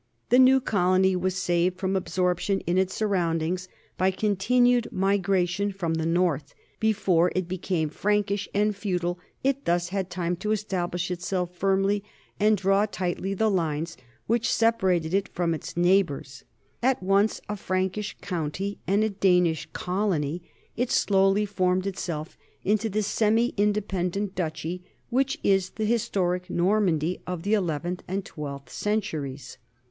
The new colony was saved from absorp tion in its surroundings by continued migration from the north ; before it became Prankish and feudal it thus had time to establish itself firmly and draw tightly the lines which separated it from its neighbors. At once a Prankish county and a Danish colony, it slowly formed itself into the semi independent duchy which is the his toric Normandy of the eleventh and twelfth centuries.